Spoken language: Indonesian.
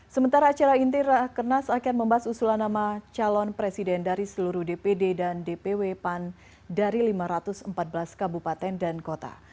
sementara acara inti rakernas akan membahas usulan nama calon presiden dari seluruh dpd dan dpw pan dari lima ratus empat belas kabupaten dan kota